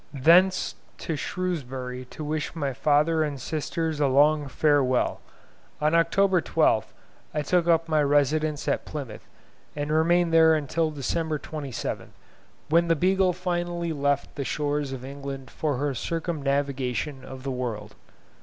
Thence to Shrewsbury to wish my father and sisters a long farewell. On October 24th I took up my residence at Plymouth, and remained there until December 27th, when the "Beagle" finally left the shores of England for her circumnavigation of the world.